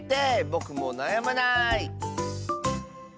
ぼくもうなやまない！